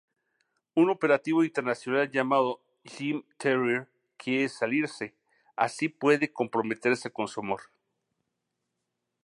Un operativo internacional llamado Jim Terrier quiere salirse, así puede comprometerse con su amor.